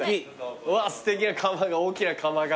わっすてきな窯が大きな窯が。